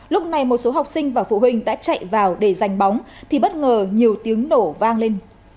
lúc này một số học sinh và phụ huynh đã chạy vào để giành bóng thì bất ngờ nhiều tiếng nổ vang lên